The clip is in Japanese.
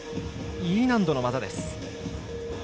Ｅ難度の技です。